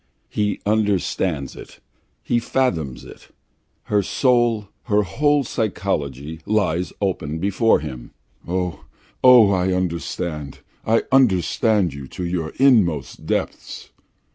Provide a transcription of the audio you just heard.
He understands it, he fathoms it. Her soul, her whole psychology lies open before him. "Oh, I understand, I understand you to your inmost depths!"